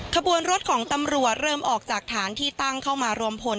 ขบวนรถของตำรวจเริ่มออกจากฐานที่ตั้งเข้ามารวมพล